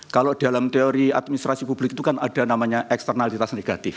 kalau dalam teori administrasi publik itu kan ada namanya eksternalitas negatif